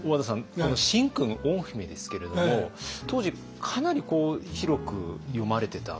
この「神君御文」ですけれども当時かなり広く読まれてた。